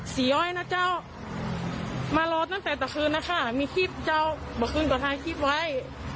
สีย้อยนะเจ้ามารอตั้งแต่ตะคืนนะค่ะมีฮีบเจ้าบอกว่าขึ้นตะท้ายฮีบไว้